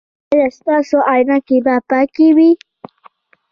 ایا ستاسو عینکې به پاکې وي؟